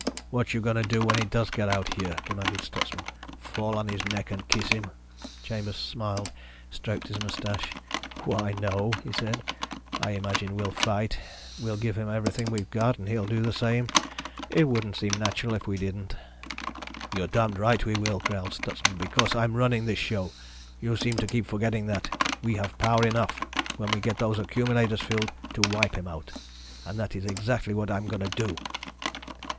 "What you going to do when he does get out here?" demanded Stutsman. "Fall on his neck and kiss him?" Chambers smiled, stroked his mustache. "Why, no," he said. "I imagine we'll fight. We'll give him everything we've got and he'll do the same. It wouldn't seem natural if we didn't." "You're damned right we will," growled Stutsman. "Because I'm running this show. You seem to keep forgetting that. We have power enough, when we get those accumulators filled, to wipe him out. And that is exactly what I'm going to do."